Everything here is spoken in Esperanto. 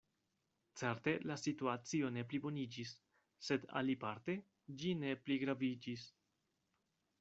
Certe la situacio ne pliboniĝis; sed aliparte ĝi ne pligraviĝis.